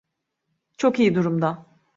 Çok iyi durumda.